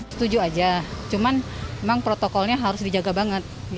setuju aja cuman memang protokolnya harus dijaga banget